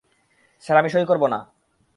Sir, আমি সঁই করব না।